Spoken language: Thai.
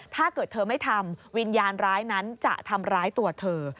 ถ้าเกิดเธอไม่ทำวิญญาณร้ายนั้นจะทำร้ายตัวเธอ